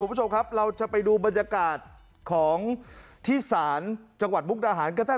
คุณผู้ชมครับเราจะไปดูบรรยากาศของที่ศาลจังหวัดมุกดาหารก็ได้